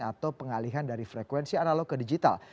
atau pengalihan dari frekuensi analog ke digital